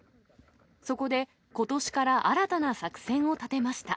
そこで、ことしから新たな作戦を立てました。